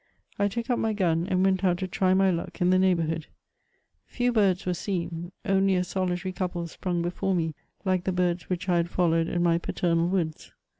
1 took up my gun, and went out to try my luck in the neighbourhood. Few birds were seen : only a solitary couple sprung before me like the birds which I had followed in my pa ternal woods.